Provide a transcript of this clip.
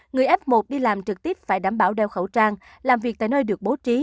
người f một đi làm trực tiếp phải đảm bảo đeo khẩu trang làm việc tại nơi được bố trí